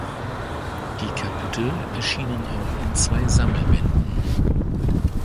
Die Kapitel erschienen auch in zwei Sammelbänden.